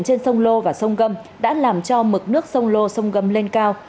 trên sông lô và sông gâm đã làm cho mực nước sông lô sông gâm lên cao